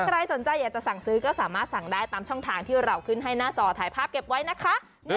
ใครสนใจอยากจะสั่งซื้อก็สามารถสั่งได้ตามช่องทางที่เราขึ้นให้หน้าจอถ่ายภาพเก็บไว้นะคะ